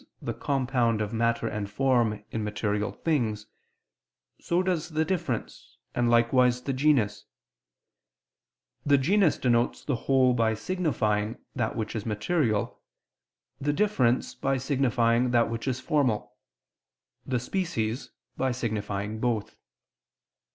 the compound of matter and form in material things, so does the difference, and likewise the genus; the genus denotes the whole by signifying that which is material; the difference, by signifying that which is formal; the species, by signifying both.